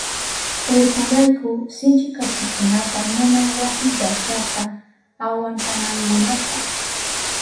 Urkunrayku sinchi kaspikunata munan wasi llashata awantanankunapa.